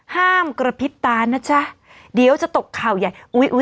ห้ามกระพริบตานะจ๊ะเดี๋ยวจะตกข่าวใหญ่